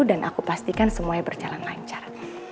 dan aku pastikan semuanya berjalan lancar